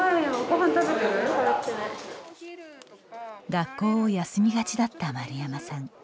学校を休みがちだった丸山さん。